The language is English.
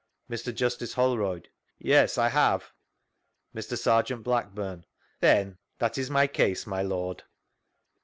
Mr. Justice Holroyd: Yes, I have. Mr. Serjeant Blackburne: Then that is my case, my Lord.